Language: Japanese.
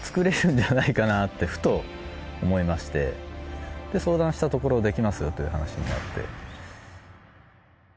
ふと思いまして相談したところ「できます」という話になって。